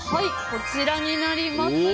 こちらになります。